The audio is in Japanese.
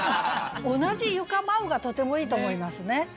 「同じ床舞う」がとてもいいと思いますね。